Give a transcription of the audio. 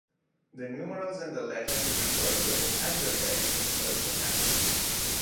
The numerals in the legend refer to the vocabulary items in earlier chapters.